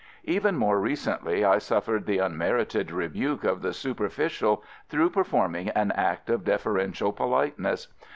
Even more recently I suffered the unmerited rebuke of the superficial through performing an act of deferential politeness.